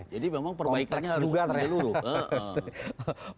jadi memang perbaikannya harus bergeluruh